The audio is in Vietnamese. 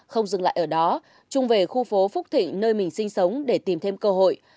không dừng lại ở đó trung về khu phố phúc thịnh nơi mình sinh sống để tìm thêm cơ hội